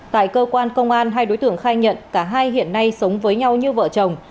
tại cơ quan công an hai đối tượng khai nhận cả hai hiện nay sống với nhau như vợ chồng